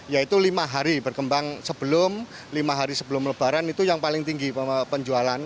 yaitu lima hari berkembang sebelum lima hari sebelum lebaran itu yang paling tinggi penjualan